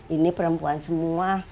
ini perempuan semua